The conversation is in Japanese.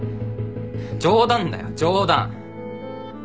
冗談だよ冗談。